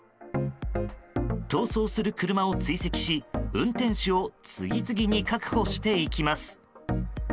逃走する車を追跡し運転手を次々に確保していきます。